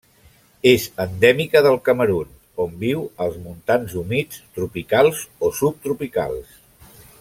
És endèmica del Camerun, on viu als montans humits tropicals o subtropicals.